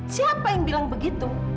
siapa yang bilang begitu